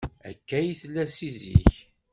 Akka ay tella seg zik.